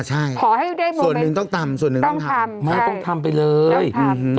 ใช่ส่วนหนึ่งต้องทำส่วนหนึ่งต้องทำต้องทำต้องทำใช่ต้องทำ